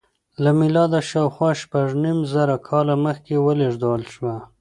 له میلاده شاوخوا شپږ نیم زره کاله مخکې ولېږدول شوه.